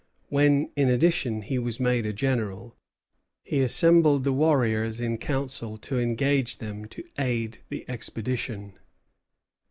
When, in addition, he was made a general, he assembled the warriors in council to engage them to aid the expedition.